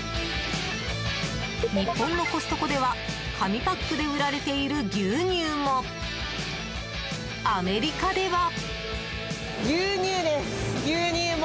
日本のコストコでは紙パックで売られている牛乳もアメリカでは。